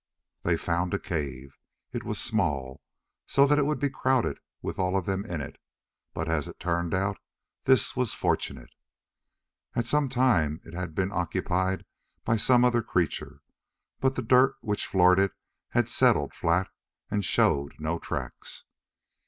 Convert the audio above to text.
They found a cave. It was small, so that it would be crowded with all of them in it, but as it turned out, this was fortunate. At some time it had been occupied by some other creature, but the dirt which floored it had settled flat and showed no tracks.